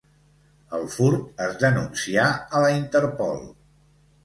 El furt es denuncià a la Interpol.